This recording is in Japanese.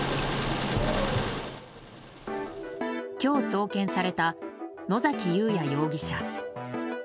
今日、送検された野崎祐也容疑者。